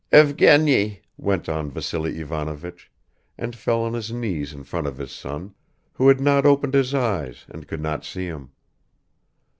"Evgeny," went on Vassily Ivanovich, and fell on his knees in front of his son, who had not opened his eyes and could not see him.